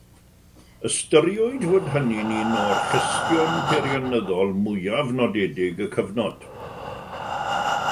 Ystyriwyd fod hynny'n un o orchestion peirianyddol mwyaf nodedig y cyfnod.